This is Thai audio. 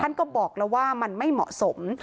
ท่านก็บอกแล้วว่ามันไม่เหมาะสม